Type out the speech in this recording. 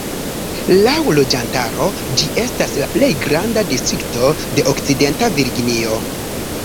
Laŭ loĝantaro ĝi estas la plej granda distrikto de Okcidenta Virginio.